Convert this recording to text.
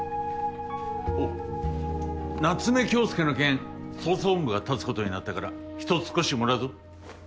おう夏目恭輔の件捜査本部が立つことになったから人少しもらうぞ。